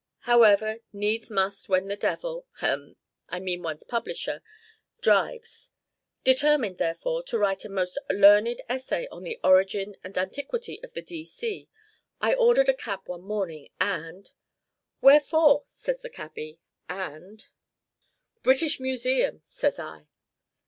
However, needs must when the devil hem! I mean one's publisher drives. Determined, therefore, to write a most learned essay on the origin and antiquity of the D. C., I ordered a cab one morning, and "Where for?" says Cabby, and "British Museum," says I.